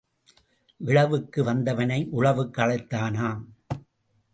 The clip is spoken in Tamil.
இழவுக்கு வந்தவளை உழவுக்கு அழைத்தானாம்.